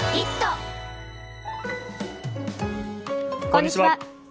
こんにちは。